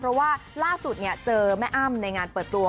เพราะว่าล่าสุดเจอแม่อ้ำในงานเปิดตัว